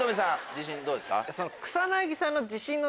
自信どうですか？